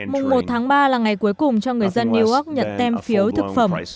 mùng một tháng ba là ngày cuối cùng cho người dân new york nhận tem phiếu thực phẩm